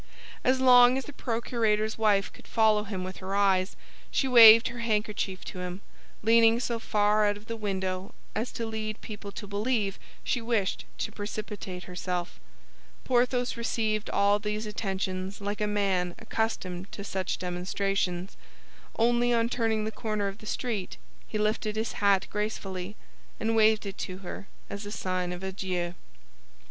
As long as the procurator's wife could follow him with her eyes, she waved her handkerchief to him, leaning so far out of the window as to lead people to believe she wished to precipitate herself. Porthos received all these attentions like a man accustomed to such demonstrations, only on turning the corner of the street he lifted his hat gracefully, and waved it to her as a sign of adieu.